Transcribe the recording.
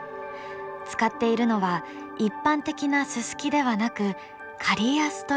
使っているのは一般的なススキではなくカリヤスという植物。